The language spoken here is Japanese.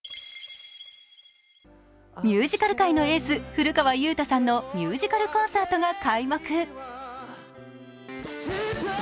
ミュージカル界のエース古川雄大さんのミュージカルコンサートが開幕。